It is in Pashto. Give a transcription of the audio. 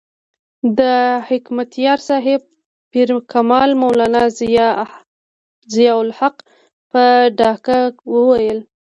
د حکمتیار صاحب پیر کامل مولانا ضیاء الحق په ډاګه وویل.